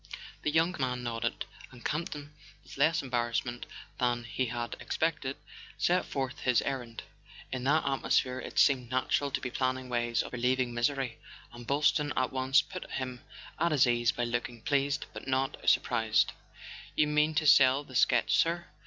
The young man nodded, and Campton, with less embarrassment than he had expected, set forth his errand. In that atmosphere it seemed natural to be planning ways of relieving misery, and Boylston at once put him at his ease by looking pleased but not surprised. "You mean to sell the sketch, sir?